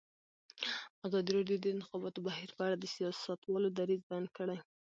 ازادي راډیو د د انتخاباتو بهیر په اړه د سیاستوالو دریځ بیان کړی.